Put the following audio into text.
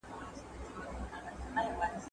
قرانشریف د هلک له خوا له کړکۍ وغورځول شو.